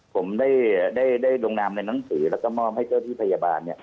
ผมได้ลงนามในหนังสือแล้วก็มอบให้เจ้าที่พยาบาล